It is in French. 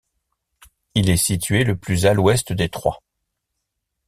Il est situé le plus à l'ouest des trois.